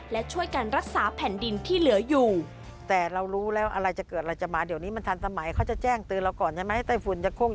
และช่วยกันรักษาแผ่นดินที่เหลืออยู่